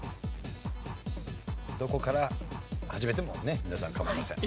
どこから始めてもね皆さん構いません。